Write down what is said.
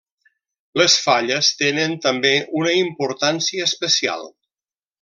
Les falles tenen, també, una importància especial.